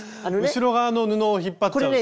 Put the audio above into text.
後ろ側の布を引っ張っちゃうというか。